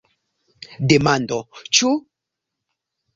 Demando: Ĉu?